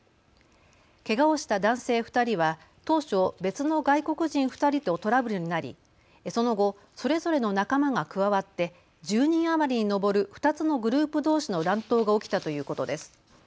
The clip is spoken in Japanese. けがをした男性２人は当初別の外国人２人とトラブルになり、その後それぞれの仲間が加わって１０人余りに上る２つのグループどうしの乱闘が起きたということです。